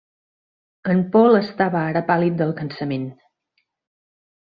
En Paul estava ara pàl·lid del cansament.